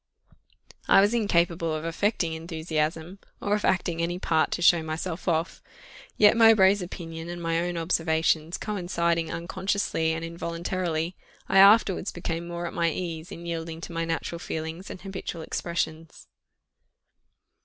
I was incapable of affecting enthusiasm, or of acting any part to show myself off; yet Mowbray's opinion and my own observations coinciding, unconsciously and involuntarily, I afterwards became more at my ease in yielding to my natural feelings and habitual expressions.